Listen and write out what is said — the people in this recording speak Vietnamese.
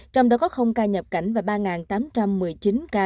trong đó có ca nhập cảnh và ba tám trăm một mươi chín ca